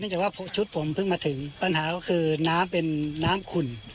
จากว่าชุดผมเพิ่งมาถึงปัญหาก็คือน้ำเป็นน้ำขุ่น